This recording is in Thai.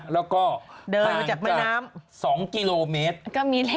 แล้วก็ทางกัน๒กิโลเมตรเดินอยู่จากแม่น้ำ